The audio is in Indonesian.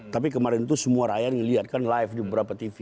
tapi kemarin itu semua rakyat ngeliat kan live di beberapa tv